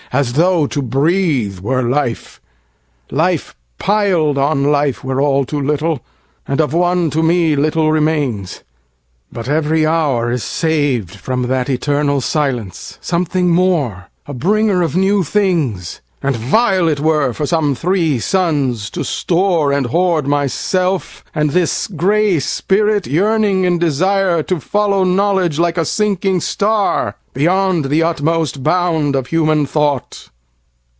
As tho' to breathe were life. Life pil'd on lifeWere all too little, and of one to meLittle remains: but every hour is sav'dFrom that eternal silence, something more,A bringer of new things; and vile it wereFor some three suns to store and hoard myself, And this gray spirit yearning in desireTo follow knowledge like a sinking star, Beyond the utmost bound of human thought.